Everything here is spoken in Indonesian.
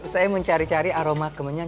saya mencari cari aroma kemenyang